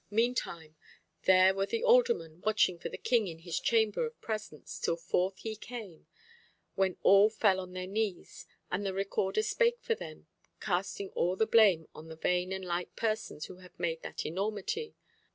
Meantime, there were the aldermen watching for the King in his chamber of presence, till forth he came, when all fell on their knees, and the Recorder spake for them, casting all the blame on the vain and light persons who had made that enormity.